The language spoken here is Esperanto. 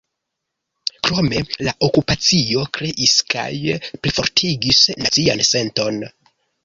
Krome, la okupacio kreis kaj plifortigis nacian senton.